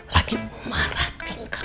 lagi memarah tingkat